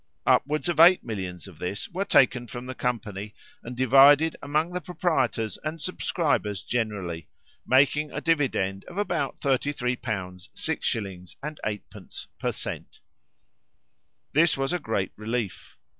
Upwards of eight millions of this were taken from the company, and divided among the proprietors and subscribers generally, making a dividend of about 33l. 6s. 8d. per cent. This was a great relief.